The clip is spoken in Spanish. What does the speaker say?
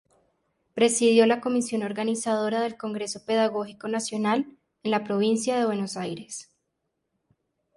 Presidió la Comisión organizadora del Congreso Pedagógico Nacional en la Provincia de Buenos Aires.